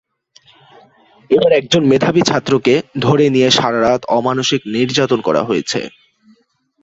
এবার একজন মেধাবী ছাত্রকে ধরে নিয়ে সারা রাত অমানুষিক নির্যাতন করা হয়েছে।